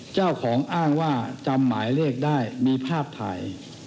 เจ้าของอ้างว่าจำหมายเลขได้มีภาพถ่าย